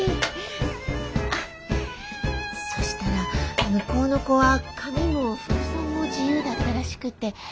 あっそしたら向こうの子は髪も服装も自由だったらしくて。